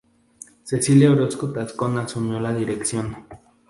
Cecilia Orozco Tascón asumió la dirección.